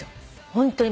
ホントに。